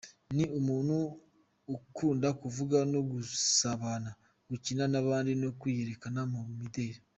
Ni umuntu ukunda kuvuga no gusabana , gukina n’abandi no kwiyerekana mu mideli.